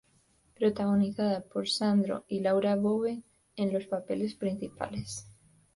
Protagonizada por Sandro y Laura Bove en los papeles principales.